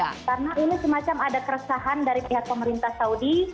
karena ini semacam ada keresahan dari pihak pemerintah saudi